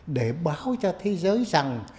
để báo cho thế giới rằng